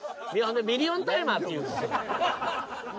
「ミリオンタイマー」っていうの？